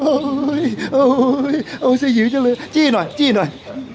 โอ้ยสยิ๋วโอ้ยโอ้ยสยิ๋วเจนเลยจี้หน่อยจี้หน่อย